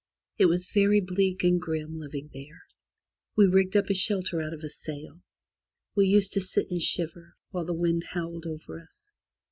It was very bleak and grim, living there. We rigged up a shelter out of a sail. We used to sit and shiver, while the wind howled over us.